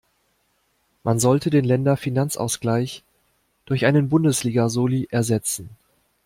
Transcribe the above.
Man sollte den Länderfinanzausgleich durch einen Bundesliga-Soli ersetzen.